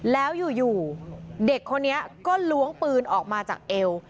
แล้วอยู่เด็กคนนี้ก็ล้วงปืนออกมาจากเอว